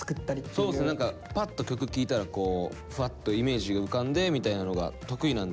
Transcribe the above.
そうですね何かパッと曲聴いたらふわっとイメージが浮かんでみたいなのが得意なんで。